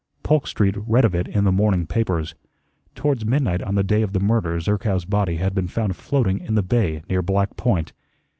Polk Street read of it in the morning papers. Towards midnight on the day of the murder Zerkow's body had been found floating in the bay near Black Point.